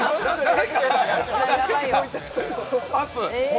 パス。